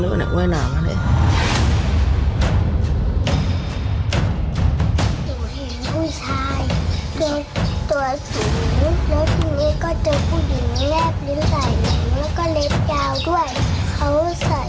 แล้วทีนี้เขาก็มานั่งทำเหนือแล้วก็มาติดพ่ออยู่